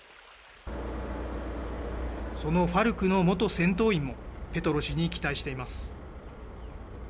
そのＦＡＲＣの元戦闘員も、ペトロ氏に期待しています。